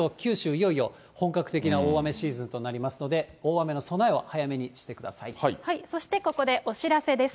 いよいよ本格的な大雨シーズンとなりますので、そして、ここでお知らせです。